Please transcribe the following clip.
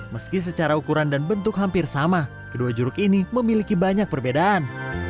meski secara ukuran dan bentuk hampir sama kedua jeruk ini memiliki banyak perbedaan